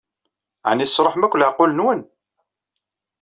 Ɛni tesṛuḥem akk leɛqul-nwen?